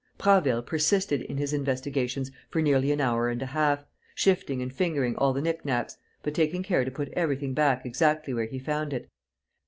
Prasville persisted in his investigations for nearly an hour and a half, shifting and fingering all the knick knacks, but taking care to put everything back exactly where he found it.